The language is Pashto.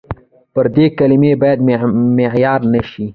پردۍ کلمې باید معیار نه شي.